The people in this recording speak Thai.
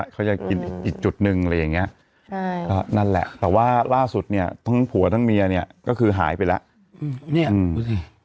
เขาจะกินอีกจุดหนึ่งอะไรอย่างเงี้ยนั่นแหละแต่ว่าล่าสุดเนี่ยทั้งผัวทั้งเมียเนี่ยก็คือหายไปแล้วเนี่ย